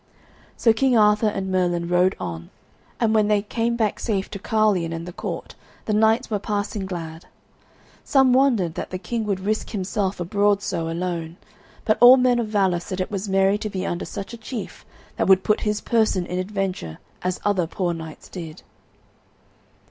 So King Arthur and Merlin rode on, and when they came back safe to Carlion and the court the knights were passing glad. Some wondered that the king would risk himself abroad so alone, but all men of valour said it was merry to be under such a chief that would put his person in adventure as other poor knights did.